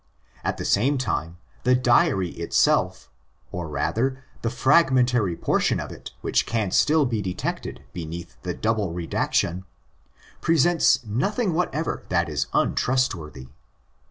At the same time, the diary itself—or rather, the fragmentary portion of it which can still be detected beneath the double 100 THE ACTS OF THE APOSTLES redaction—presents nothing whatever that is untrust worthy.